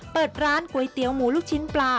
เปิดร้านก๋วยเตี๋ยวหมูลูกชิ้นปลา